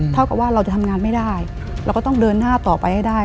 เท่ากับว่าเราจะทำงานไม่ได้เราก็ต้องเดินหน้าต่อไปให้ได้